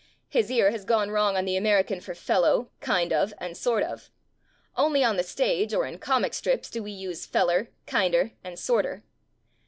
His ear has gone wrong on the American for fellow, kind of, and sort of. Only on the stage or in "comic strips" do we use feller, kinder, and sorter.